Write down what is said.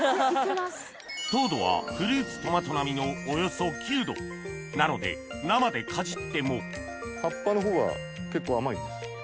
フルーツトマト並みのなので生でかじっても葉っぱのほうは結構甘いんです。